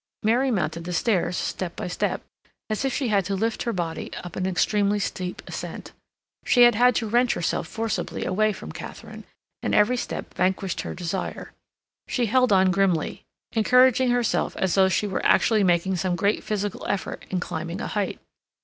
Mary mounted the stairs step by step, as if she had to lift her body up an extremely steep ascent. She had had to wrench herself forcibly away from Katharine, and every step vanquished her desire. She held on grimly, encouraging herself as though she were actually making some great physical effort in climbing a height.